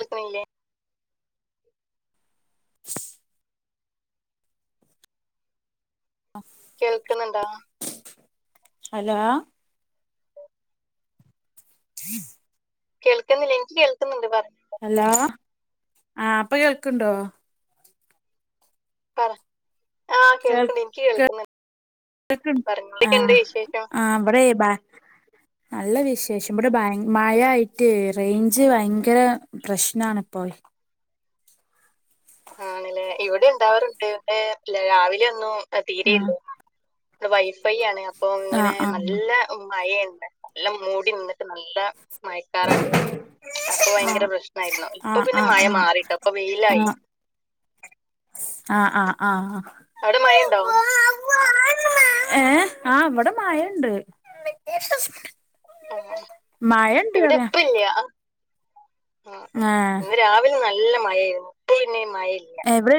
ന്ന്പ്പൊയ്ലെ [inaudible] അഹ് കേൾക്കണിണ്ടോ hello [inaudible] കേൾക്കുന്നില്ലെ ഇൻക്ക് കേൾക്കുന്നുണ്ട് പർ hello ആ ഇപ്പൊ കേൾക്ക്ണ്ടോ പറ ആഹ് കേൾക്കിണ് ഇൻക്ക് കേൾക്കിണ് കേക്ക് ആഹ് വിശേഷം ആ ഇവിടെ ബാ നല്ല വിശേഷം ഇബ്ടെ ബയ മയായ്ട്ട് റേഞ്ച് ഭയങ്കര പ്രശ്നാണിപ്പോ ആണ്ല്ലേ ഇവിടെ ഇണ്ടാവാറുണ്ട് ഏഹ് രാവിലെ ഒന്നും അ തീരെയില്ല ആഹ് ഇവ്ടെ വൈഫൈ ആണ് അപ്പൊ ഇങ്ങനെ ആഹ് നല്ല ഓഹ് മയെണ്ട് നല്ലം മൂടി നിന്നിട്ട് നല്ല മഴക്കാറുണ്ടേര്ന്നു അപ്പൊ ഭയങ്കര ആഹ് പ്രശ്നായിരുന്നു ഇപ്പൊ ആഹ് പിന്നെ ആഹ് മയ ആഹ് മാറിട്ടൊ ഇപ്പൊ വെയിലായി ആഹ് ആഹ് ആഹ്. ആവ്ടെ മയണ്ടോ? ഏഹ് ആ ഇവിടെ മയണ്ട്. ആഹ് ഇവിടെ ഇപ്പല്ല്യ ആഹ്. ങ്ങേ. ഇന്ന് രാവിലെ നല്ല മഴേര്ന്നു ഇപ്പൊ പിന്നെ ഇ മഴയി എവിൾ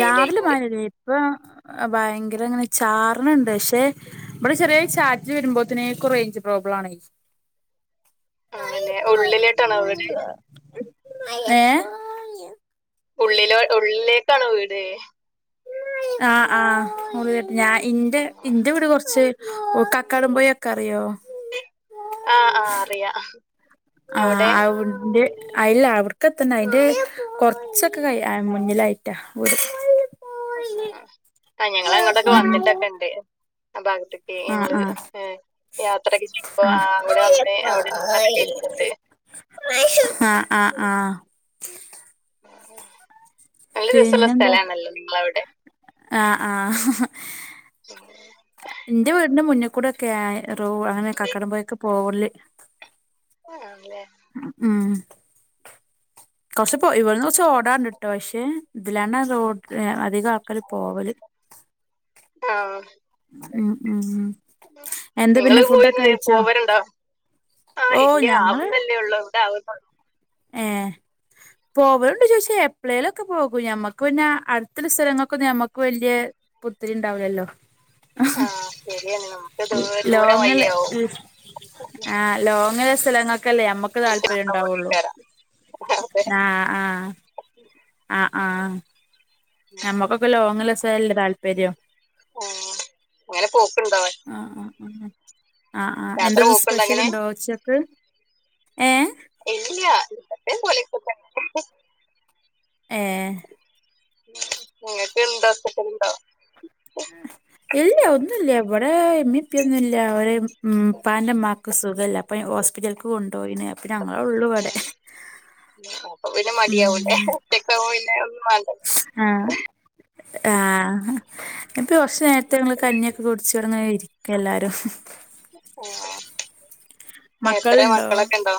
രാവിലെ മഴ [unintelligible] ഇപ്പം വയങ്കരങ്ങനെ ചാർണ്ണ്ണ്ട് ഷേ. ഇവ്ടെ ചെറിയൊര് ചാറ്റൽ വരുമ്പോത്തിനേക്കു റേഞ്ച് പ്രോബ്ലാണ്. ആഹ് ല്ലെ ഉള്ളിലേട്ടാണോ വീട്. ഏഹ്. ഉള്ളിലോ ഉള്ളിലേക്കാണോ വീട്. അ ആഹ് ഉൾ ഞാ ഇന്റെ ആഹ് ഇന്റെ വീട് കൊർച്ച്. ഓഹ് കക്കാടം മ്പൊയൊക്കെ അറിയോ ആഹ് ആഹ് അറിയാ ആഹ് അവിടെ അവ് ട് അയ്ല്ല അവ്ട്ക്കെത്തണ്ട അയ്ന്റെ കൊർച്ചൊക്കെ കയ് അയ് മുന്നിലായിട്ടാ വീട്. അഹ് ആഹ് ഞങ്ങളങ്ങോട്ടൊക്കെ വന്നിട്ടൊക്കെണ്ട് ആ ഭാഗത്ത്. ഈഹ് ആ ഞങ്ങള് ആ യാത്രൊക്കെ ചെയ്യുമ്പോ ആ അവിടെ വന്ന് അവിടെ നിന്നൊക്കെ ചെയ്തിട്ടുണ്ട് ആഹ് ആഹ് ആഹ് ആ, നല്ല രസള്ള സ്ഥലാണല്ലോ നിങ്ങളവിടെ ആഹ് ആഹ് [inaudible] ന്റെ വീടിന്റെ മുന്നിൽ കൂടെ ഒക്കെയ റോ അങ്ങനെ കക്കടമ്പോയെക്ക്‌ പോവല്ല് ആൺല്ലേ ഉം കൊറച്ച് പോ ഇവിടെന്ന് കൊറച്ച് ഓടാണ്ട്ട്ടൊ പശേ ഇതിലാണ് തോണ്ട് അധികം ആൾക്കാർ പോവല് ആഹ് ഉം ഉം എന്താ നിങ്ങള് പിന്നെ പോയി ഫുഡൊക്കെ നി- കഴിച്ചോ പോവലുണ്ടോ ആഹ് ഓ ഇല്ല്യ ഞങ്ങള് ആവ്ൺണ്ടല്ലേ ഒള്ളു വ്ടെ ആവ് ഏഹ് പോവല്ണ്ട് ചോയിച്ചാൽ എപ്പളേലൊക്കെ പോകും ഞമ്മക്ക് പിന്നെ അട്ത്തുള്ള സ്ഥലങ്ങൊക്കൊന്നും ഞമ്മുക്ക് വല്യേ പുത്തിരി ഉണ്ടാവുലല്ലോ ആഹ് ശരിയാണ് നമുക്ക് ദൂരം ദൂരം ലോങ്ങല്ലേ വയ്യാവും ആഹ് ലോങ്ങ്ല്ലെ സ്ഥലങ്ങക്കല്ലേ ഞമ്മക്ക് താല്പര്യം ണ്ടാവുള്ളു [unintelligible] തെ ആഹ് ആഹ് അഹ് ആഹ് ഞമ്മക്കൊക്കെ ലോങ്ങ് ല്ലെ സ്ഥലല്ലെ താല്പര്യം ആഹ് അങ്ങനെ പോക്ക്ണ്ടോ ആഹ് ആഹ് ആഹ് ആഹ് ആഹ് യാത്ര എന്തന്ന് പോക്കുണ്ടോ അങ്ങനെ സ്പെഷ്യല്ണ്ടോ ഒച്ചക്ക് ഏഹ് ഇല്ല്യ എന്നത്തേ മ് പോലെ ഏഹ് ങ്ങക്ക് എന്താ സ്‌പെഷല് ണ്ടോ ഇല്ല ഒന്നും ഇല്ല്യ ഇവിടെ ഇമ്മിപ്പൊന്നുംല്ല ഓര് ഇപ്പാന്റെ മ്മാ ക്ക്‌ സുഖല്ല അപ്പൊ ഹോസ്പിറ്റൽക്ക് കൊണ്ടോയിണ് ഏഹ് അപ്പൊ പിന്നെ ഉം മടയാവുല്ലേ ഒറ്റക്കാവുമ്പോ പിന്നെ ഒന്നും മാണ്ടല്ലോ ആഹ് ആഹ് നിപ്പി കൊർച്ച് നേരത്തെങ്ങള് കഞ്ഞി ഒക്കെ കുടച്ച് ഇവടെ ങ്ങനെ ഇരി ക്ക എല്ലാരും ഏഹ് എത്രേ മക്കളുണ്ടോ മക്കളൊക്കെണ്ടോ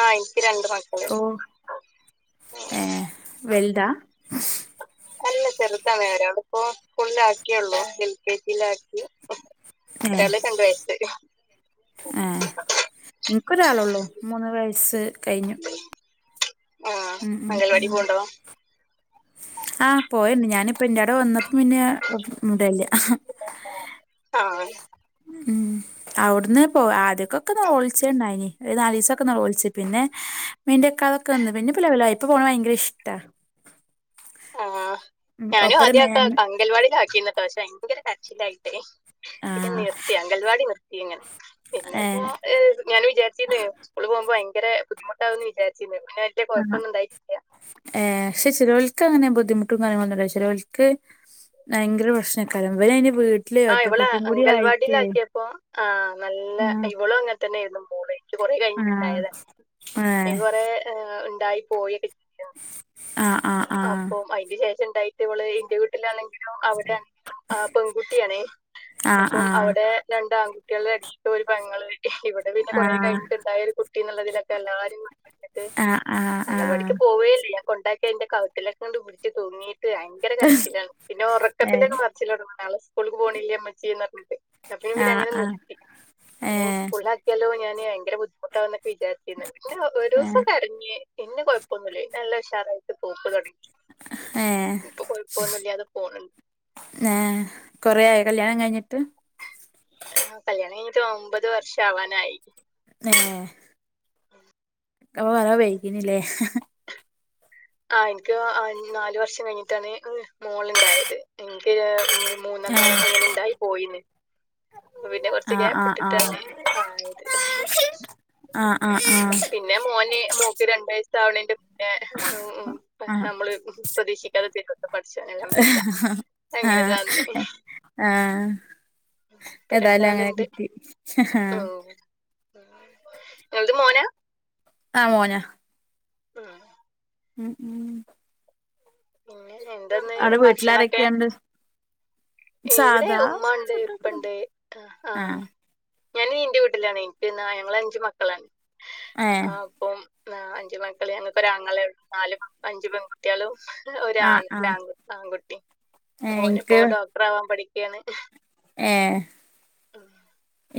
ആഹ് ഇനിക്ക് രണ്ട് മക്കളുണ്ട് ഓഹ് ഏഹ് വെൽതാ അല്ല ചെറുതാ ഒരാളെ ഇപ്പൊ സ്കൂൾ ആക്കിയേള്ളൂ എൽ കെ ജി യിലാക്കി [unintelligible] ആഹ് എനിക്ക് ഒരാളള്ളൂ മൂന്ന് വയസ് കഴിഞ്ഞു ആ ഉം ഉം അംഗൻവാടി ഉം പോണ്ടോ ആഹ് പോയണ്ട് ഞാനിപ്പ എന്റെ അടെ വന്നപ്പോ പിന്നെ മുടല്ല ആഹ് ഉം അവിടന്ന് പോ ആദ്യക്കൊക്കെ [unintelligible] ഉണ്ടായിനി ഒരു നാല് ദിവസൊക്ക [unintelligible] പിന്നെ മീന്റെയ ഒക്കെ അതൊക്കെ വന്ന് പിന്നെ ഇപ്പൊ ലെവലായ് ഇപ്പൊ പോകണ ഭയങ്കര ഇഷ്ടാ ആഹ് ഉം ഞാനും ഒപ്പരം ആദ്യക്കെ മേമ് അങ്കൻവാടില ആക്കിന്നട്ടോ പക്ഷേ ഭയങ്കര കരച്ചില്ലായിട്ടേ പിന്നെ ആഹ് നിർത്തി അങ്കൽവാടി നിർത്തി ഇങ്ങനെ പിന്നെ ഇപ്പോ ഏഹ് ഞാൻ വിചാരിച്ചിരുന്ന് സ്കൂളിൽ പോകുമ്പോ ഭയങ്കര ബുദ്ധിമുട്ടാന്ന് വിചാരിച്ചു പിന്നെ വലിയ ആഹ് കുഴപ്പമൊന്നും ഉണ്ടായിട്ടില്ല ഏഹ് പക്ഷെ ചിലവൾക്ക് അങ്ങനെ ബുദ്ധിമുട്ടും കാര്യങ്ങളന്നും ചിലവൾക്ക് ഭയങ്കര പ്രശ്നക്കാലം [unintelligible] ആഹ് ഇവളെ അംഗനവാടിൽ ആക്കിയപ്പോ ആഹ് നല്ല ആഹ് ഇവളും അങ്ങനെ തന്നെ ആരുന്നു മോള കൊറെ ആഹ് കഴിഞ്ഞുണ്ടായത അ ഏഹ് കൊറെ ഉണ്ടായി പോയിൊക്കെ ആഹ് ആഹ് ആഹ് അപ്പൊ അതിന് ശേഷം ഇണ്ടായിട്ട് ഇവളെ എന്റെ വീട്ടില് ാണെങ്കിലും അവിടെ ആണെങ്കിലും ആ പെൺകുട്ടിയാണേ ആഹ് അപ്പം അവിടെ ആഹ് രണ്ട് ആൺകുട്ടി കുട്ടികളുടെ ഇടക്ക് ഒരു പെങ്ങൾ കുട്ടി ഇവിടെ പിന്നെ കുറേ കഴിഞ്ഞിട്ടുണ്ടായ ഒരു കുട്ടിന്നുള്ളതിലൊക്കെ എല്ലാരും [unintelligible] ആഹ് ആഹ് ആഹ് ആഹ് അംഗൽവാടിക്ക് പോവുകേഇല്ല കൊണ്ടാക്കിതിന്റെ കഴുത്തിലൊക്കെ കൊണ്ട് പിടിച്ച് തൂങ്ങിട്ട് ഭയങ്കര കരച്ചിലാണ് പിന്നെ ഏഹ് ഉറക്കത്തിലൊക്കെ അച്ചോാള സ്കൂൾക്ക് പോണില്ല അമ്മച്ചിന്ന് പറഞ്ഞിട്ട് അപ്പ പിന്നെ ആഹ് അങ്ങനെ ആഹ് നിർത്തി ഇപ്പൊ ഞാൻ ഏഹ് സ്കൂളിലാക്കി ലോ ഞാാന് ഭയങ്കര ബുദ്ധിമുട്ടാവകന്നൊക്കെ വിചാരിച്ചിരുന്ന പിന്നെ ഒരു ദിവസം ഏഹ് കരഞ്ഞ് പിന്നെ കൊഴപ്പൊന്നുമല്ല നല്ല വിഷാറായിട്ട് പോക്ക്തുടങ്ങി ഏഹ് ഇപ്പൊകുഴപ്പമൊന്നു മില്ലാതെ പോന്നു ആഹ്‌ കൊറെ ആയ കല്യാണം കഴിഞ്ഞിട്ട് ആ കല്യാണം കഴിഞ്ഞിട്ട് ഒമ്പത് വർഷം ആവാറായി ഏഹ് [unintelligible] ആഹ് എനിക്ക് നാലുവർഷം കഴിഞ്ഞിട്ടാണ് മോള് ഇണ്ടായത് എനിക്ക് മൂന്നെണം ഏഹ് അങ്ങനെ ഇണ്ടായി പോയിന് അപ്പ പിന്നെ കൊറച്ച് ആഹ് ആഹ് ആഹ് ഗ്യാപ്പ്ഇട്ടിട്ടാണ് ആയത് ആഹ് ആഹ് ഉം ആഹ് പിന്നെ മോന് മോക്ക് രണ്ട് വയസ ആവണന്റെ മുന്നേ ആഹ് നമ്മള് പ്രതീക്ഷിക്കാതെ എത്തിയത് ആഹ് തന്നെ ആഹ് ഇപ്പൊ ഏതായാലും അങ്ങനെ രണ്ടാളുണ്ട് കിട്ടി ആഹ് [inaudible] അത് മോനാ ആ മോനാ ഉം ഉം ഉം പിന്നെ എന്തന്ന് അവിടെ ഭക്ഷണൊക്കെ വീട്ടിലാരൊക്കെയുണ്ട് എവിടെ സാധാ ഉമ്മ ഉണ്ട് ഫുഡൊക്കെ ഇപ്പണ്ട് ആഹ് ഞാൻ എന്റെ വീട്ടിലാണ് എനിക്ക് ഞങ്ങള് അഞ്ചു മക്കളാണ് ഏഹ് ആഹ്‌ അപ്പം ആ അഞ്ചു മക്കള് ഞങ്ങക്ക് ഒരാങ്ങള ഒണ്ട് നാല് അഞ്ചു പെൺകുട്ടികളും ഒരുആ ആഹ് ആഹ് ആൺകുട്ടി ഏഹ് ഓനിപ്പോ ഇൻക്ക് ഡോക്ടർ ആവാൻ പഠിക്കുകയാണ് ഏഹ്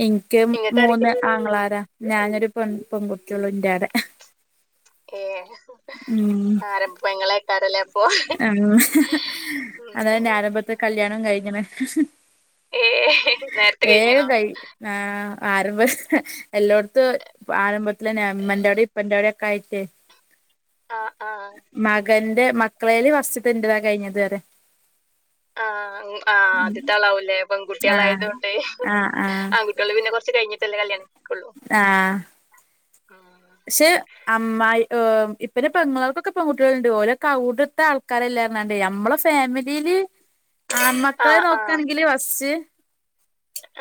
എൻക്ക് ഇങ്ങോട്ട് ആരൊക്കെ മൂന്ന് ആങ്ങളാരാ ഞാനൊരു പെൺ പെൺകുട്ടിയുള്ളൂ ഇന്റവടെ ഏഹ് ഉം ആരം പെങ്ങളേക്കാരല്ലേ ആം അതന്നന്റെ ആരഭത്തെ കല്ല്യണവും കഴിഞ്ഞണ് ഏ നേരത്തെ വേഗം കഴിഞ്ഞണോ കഴി ആഹ് ആരഭ എല്ലോടത്തും ആരംഭത്തിലന്നെ ഇമ്മന്റെോടെ ഇപ്പന്റവിടെ ഒക്കെ ആയിട്ടേ ആഹ് ആഹ് മകന്റെ മക്കളേല് ഫസ്റ്റത്തെ എന്റതാ കഴിഞ്ഞത് വരെ ആഹ് ആഹ് ആദ്യത്തെ ആളാവൂല്ലേ ആഹ് പെൺകുട്ടികളായത് കൊണ്ടേ ആഹ് ആഹ് ആൺകു ട്ട്യാള് പിന്നെ കുറച്ച് കഴിഞ്ഞിട്ടല്ലേ കല്ല്യാണം കഴിക്കുള്ളൂ ആഹ് ഉം. ശ്ശേ അമ്മായി ഏഹ് ഇപ്പനെ പെങ്ങൾക്കൊക്കെ പെൺകുട്ടികളുണ്ട് ഓരോ [unintelligible] ത്തെ ആൾക്കാരെല്ലാ ങ്ങാണ്ടേ നമ്മളെ ഫാമിലീല് ആ ആൺമക്കളെ ആ നോക്കാണെങ്കില് ഫസ്റ്റ്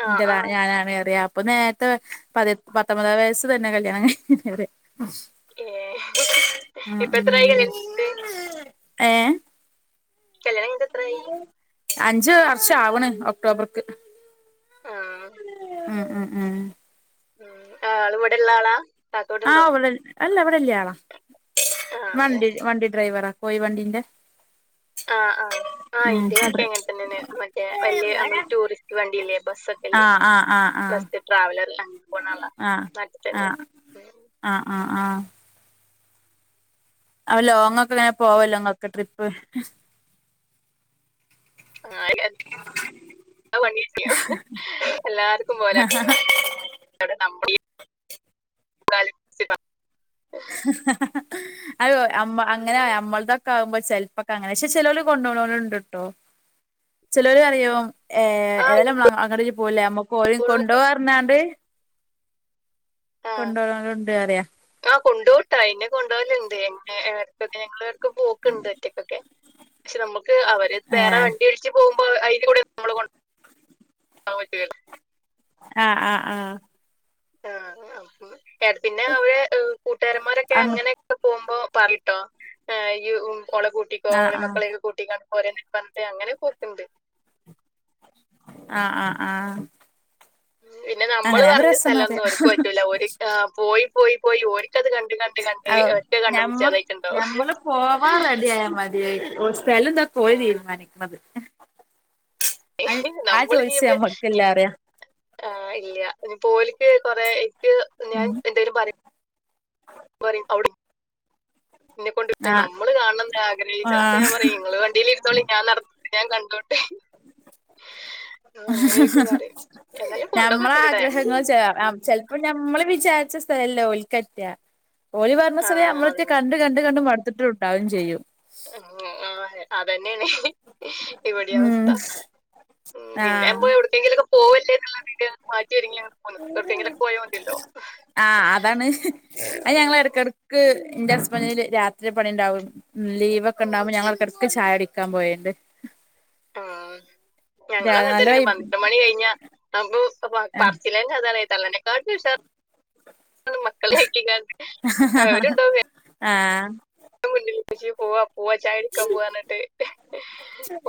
ആ ആ എന്റതാ ഞാനാണേറിയ ഇപ്പൊ നേരത്തെ പതി പത്തൊമ്പതാം വയസ്സ് തന്നെ കല്ല്യാണം കയിഞ്ഞ് ഏഹ് ആഹ് ഇപ്പ എത്രായി ഉം കല്ല്യാണം ഏഹ് കല്ല്യാണം കയിഞ്ഞിട്ട് എത്രായി അഞ്ച് വർഷാവണ് ഒക്ടോബർക്ക് ആഹ് ഉം ഉം ഉം ആഹ് ആളിവിടെള്ളാളാ ആഹ് വിളെ അല്ല ഇവിടില്ലാളാ ആ അതെ വണ്ടിട് വണ്ടി ഡ്രൈവറാ കോയി വണ്ടീന്റെ ആഹ് ആഹ് ആഹ് ഉം ഇന്റെ കാക്കിം അങ്ങനെ തന്നെയാണ് മറ്റേ വല്ല്യ അമ്മള് ടൂറിസ്റ്റ് വണ്ടില്ലേ ബസൊ ക്കില്ലേ ആഹ് ആഹ് ആഹ് ആഹ് ഫസ്റ്റ് ട്രാവലർല് [unintelligible] പോണാളാ ആഹ് നറ്റന് ആഹ് ആഹ് ആഹ് ആഹ് അവ ലോങ്ങൊക്കെ വേം പോവല്ലോ ങ്ങക്ക് ട്രിപ്പ് ആ [inaudible] [unintelligible] എല്ലാർക്കും പോലെ അവിടെ നമ്മുടെ [unintelligible] അത് അമ്മ അങ്ങനെ അമ്മളതൊക്കെ ആകുമ്പോ ചെലപ്പ ങ്ങനെ പക്ഷെ ചെലോല് കൊണ്ടോണോല്ണ്ട് ട്ടോ ചിലോര് അറിയോ ഏഹ് ആഹ് ഏലം വ് അങ്ങട് പോവലേ അമ്മുക്ക് ഓലിം കൊണ്ടോവാർഞാണ്ട് ആഹ് കൊണ്ടോണോലുണ്ട് അറിയാ ആഹ് കൊണ്ടോവുട്ടാ ഇന്നെ കൊണ്ടോവലുണ്ട് എങ്ങ എട്ക്കൊക്കെ ഞങ്ങള്ക്കും പോക്കുണ്ട് ഒറ്റയ്ക്കൊക്കെ പക്ഷെ നമ്മുക്ക് അവരെ ആഹ് ച്ച് പോകുമ്പോ അയിന്റെ കൂടെ നമ്മള് കൊ [unintelligible] ആഹ് ആഹ് ആഹ് ആഹ് അം [unintelligible] പിന്നെ അവര് ഏഹ് കൂട്ടാരന്മാരൊക്കെ അങ്ങ് അങ്ങനെ പോകുമ്പോ പറിട്ടോ ഇയ്യ് ഓളെ കൂട്ടിക്കോ ആഹ് ഒളേം ആഹ് മക്കളെയും കൂട്ടിക്കാട്ട് പോരെന്നൊക്കെ പറഞ്ഞിട്ട് അങ്ങനെ പോക്കുണ്ട് ആഹ് ആഹ് ആഹ് പിന്നെ നമ്മള് അങ്ങനെ ആവുമ്പോ പറഞ്ഞ സ്ഥലൊന്നും രസാന്നറിയാ ഓര്ക്ക് പറ്റൂല ഓര് ആഹ് പോയി പോയി പോയി ഓരിക്കത് കണ്ട് കൺ അ ഞമ്മ ഞമ്മള് പോവാൻ റെഡി ആയാ മതിയേ ഓ സ്ഥലെന്താ പോയി ആഹ് തീരുമാനിക്കണത് ആ നമ്മള് ചോയ്സ് ഇനിയിപ്പ ഞമ്മക്കില്ലാറിയാ ആഹ് ഇല്ല്യാ ഇനി പോ ഓല്ക്ക് കൊറേ ഇൻക്ക് ഞാൻ ഉം എന്തേലും പറയ് പറയും അവിടെ എന്നെ കൊണ്ട് ആഹ് നമ്മള് കാണം ആഗ്രഹിച്ച അപ്പൊ ഞാൻ ആഹ് പറയും നിങ്ങള് വണ്ടിൽ ഇരുന്നോളി ഞാൻ നട ഞാൻ കണ്ടോണ്ട്. ആ അഹ് അങ്ങനെയൊക്കെ ഹ് ഹ് പറയും എന്നാലും നമ്മളെ കൊണ്ടോന്നൊക്കെണ്ട്ട്ടാ ഞങ്ങള് ആഗ്രഹങ്ങൾ ച്ചെ ചെല് അപ്പോ ഞമ്മള് വിചാരിച്ച സ്ഥലല്ല ഓൽക്കറ്റ് ഓല് പറ്ഞ്ഞ ആ സ്ഥല നമ്മളറ്റെ അതന്നെ കണ്ട് കണ്ട് കണ്ട് മട്ത്ത്ട്ടുണ്ടാവും ചെയ്യും. ഉ ആഹ് അതന്നെണ്. ഇവടിം ഉം അവസ്ഥ ഉം പിന്നെ ആഹ് പോയോട് എവ്ട്ക്കെങ്കിലൊക്കെ പോവല്ലേ എന്നുള്ള ആതില് മാറ്റി ഒരുങ്ങ്യ ആഹ് അതാണ് അയ് ഞങ്ങള് എട്ക്കെട് ക്ക് എന്റെ ഹസ്ബന്റിന് രാത്രി പണി ണ്ടാവും. ഉം ലീവ്ക്കെണ്ടാവുമ്പോ ഞങ്ങളെട്ക്കട്ക്ക് ചായ കുടിക്കാൻ പോവേണ്ട്. ഉം ഞങ്ങളും അങ്ങൻ നല്ല തന്നേണ് വൈബ് പന്ത്റണ്ട് മണി കഴിഞ്ഞ നമ ആഹ് പർച്ചിലന്നെ അതാണ്. തള്ളനെക്കാടിം ഉഷാറ് [unintelligible] മക്കളെ ഒക്കെ അവരുണ്ടാവ ആഹ്. മുന്നിൽ ഇപ്പച്ചി പോവ. പൂവ ചായ കുടിക്കാൻ പോവർഞ്ഞിട്ട്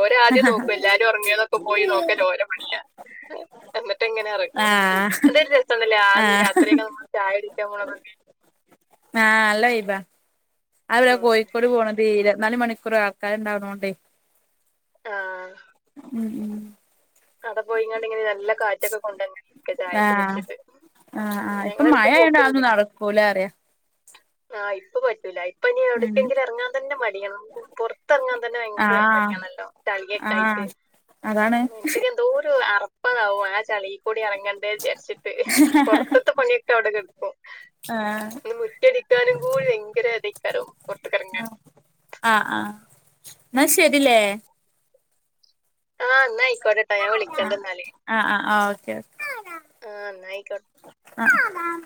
ഓര് ആദ്യം നോക്കും എല്ലാരും ഒറ്ങ്ങിണോ. പോയി നോക്കല് ഓലെ പണിയ. എന്ന്ട്ട്ങ്ങനെ ഇറങ്ങും ആഹ് അതൊരു രസംന്നെല്ലെ ആഹ് രാത്രിയൊക്കെ നമ്മള് ചായ കുടിക്കാൻ പോവ്ണതെക്കെ. ആഹ് നല്ല വൈബ അവിടെ ഉം. കോഴിക്കോട് പോണ തീര ഇര്പത്തിനാല് മണിക്കൂർ ആൾക്കാണ്ടാവ്ണോണ്ടേ. ആഹ്. ഉം ഉം. ആട പോയിങ്ങാണ്ട് ഇങ്ങനെ നല്ല കാറ്റൊക്കെ കൊണ്ടങ്ങനെ. ഒക്കെ ചായക്ക് ആഹ് കുട്ച്ചിട്ട് ആഹ് ആഹ് ഇപ്പം ഞങ്ങള് അടുത്ത് മഴയായോണ്ട് പോക്ക്ണ്ട്. അതൊന്നും നടക്കൂല പറയാ ആഹ് ഇപ്പൊ പറ്റൂല ഇപ്പൊ ഇനി ഉം എവ്ട്ക്കെങ്കിലും ഇറങ്ങാൻ തന്നെ മടിയണ് പെർ റങ്ങാൻ തന്നെ ഭയങ്കര ആഹ് മടിയണല്ലോ ചളിയൊക്കെ ആയിട്ട്. ആഹ് അതാണ് എനിക്കൊക്കെ എന്തോ ഒരു അറപ്പതാവും ആഹ് ചളീൽ കൂടി ഇറങ്ങേണ്ടേജാര്ച്ചി ഹ് ഹ ഹ. ന്നത്തെ പണിക്കെവിടെ കട്ക്കും. ആഹ്. മുറ്റടിക്കാനും കൂടി ഭയങ്കര അതേക്കാരം പെറ്ത്ത്കെറങ്ങാൻ. ആഹ് ആഹ് ന്നാ ശരില്ലേ. ആഹ് ന്നാ ആയിക്കോട്ടെട്ടോ ഞാൻ ആഹ് വിളിക്കേണ്ട്ന്നാല്. ആഹ് ആഹ ആഹ ഓക്കെ ഓക്കെ. ആഹ് ന്നയിക്കോട്ട ആഹ് ആരാ?